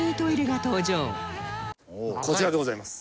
こちらでございます。